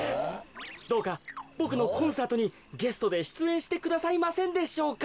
どうかボクのコンサートにゲストでしゅつえんしてくださいませんでしょうか。